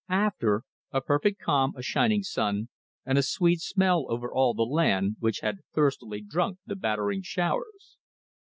After, a perfect calm, a shining sun, and a sweet smell over all the land, which had thirstily drunk the battering showers.